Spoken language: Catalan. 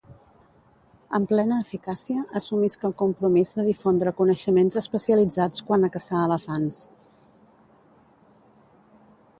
Amb plena eficàcia, assumisc el compromís de difondre coneixements especialitzats quant a caçar elefants.